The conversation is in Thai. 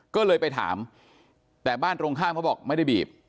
ก็เลยไปถามแต่บ้านตรงข้ามเขาบอกไม่ได้บีบ